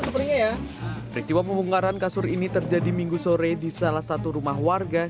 sepertinya ya peristiwa pembongkaran kasur ini terjadi minggu sore di salah satu rumah warga